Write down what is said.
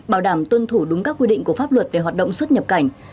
bảo đảm tuân thủ đúng các quy định của pháp luật về hoạt động xuất nhập cảnh